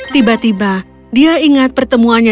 tiba tiba dia ingat pertemuannya